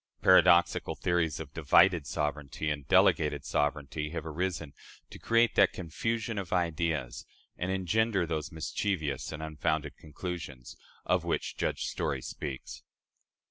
Paradoxical theories of "divided sovereignty" and "delegated sovereignty" have arisen, to create that "confusion of ideas" and engender those "mischievous and unfounded conclusions," of which Judge Story speaks.